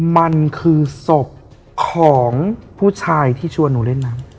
มันคือศพของผู้ชายที่ชวนหนูเล่นน้ำ